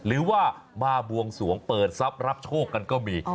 หรือว่ามาบวงสรุองเปิดซับรับโชคก็มี